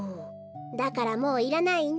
だからもういらないんだ。